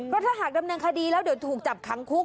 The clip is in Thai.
เพราะถ้าหากดำเนินคดีแล้วเดี๋ยวถูกจับขังคุก